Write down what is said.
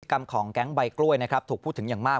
กรรมของแก๊งใบกล้วยนะครับถูกพูดถึงอย่างมาก